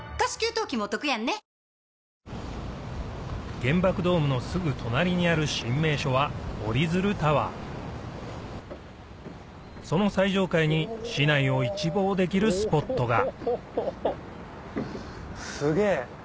原爆ドームのすぐ隣にある新名所はその最上階に市内を一望できるスポットがすげぇ。